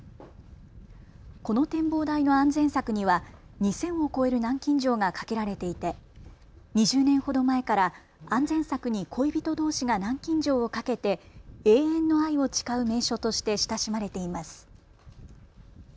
この展望台の安全柵には２０００を超える南京錠がかけられていて２０年ほど前から安全柵に恋人どうしが南京錠をかけて永遠の愛を誓う名所として親しまれています。